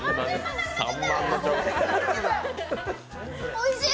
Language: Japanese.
おいしい！